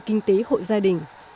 kinh tế hội gia đình